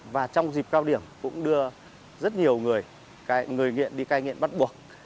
và trong dịp cao điểm cũng đưa rất nhiều người người nghiện đi cai nghiện bắt buộc